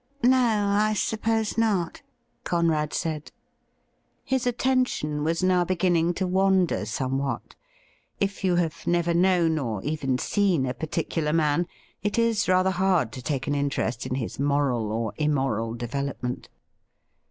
' No, I suppose not,' Conrad said. His attention was now beginning to wander somewhat. If you have never known, or even seen, a particular man, it is rather hard to take an interest in his moral or immoral development.